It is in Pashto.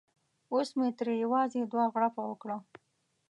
اوس مې ترې یوازې دوه غړپه وکړه.